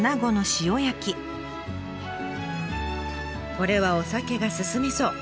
これはお酒が進みそう。